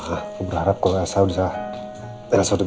aku berharap kalau elsa udah